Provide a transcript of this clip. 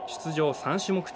３種目中